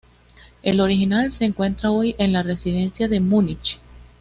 El original se encuentra hoy en la Residencia de Múnich.